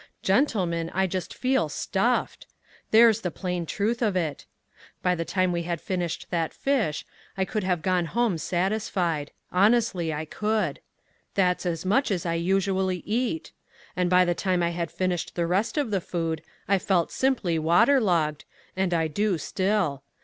Gentlemen, I just feel stuffed. That's the plain truth of it. By the time we had finished that fish, I could have gone home satisfied. Honestly I could. That's as much as I usually eat. And by the time I had finished the rest of the food, I felt simply waterlogged, and I do still.